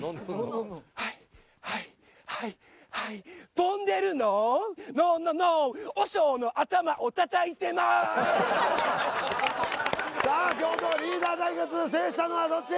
はいはいはいはい飛んでるのんのんののん和尚の頭を叩いてますさあ教頭リーダー対決制したのはどっち？